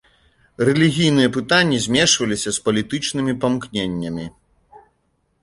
Рэлігійныя пытанні змешваліся з палітычнымі памкненнямі.